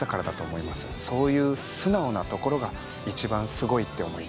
そういう素直なところが一番すごいって思います。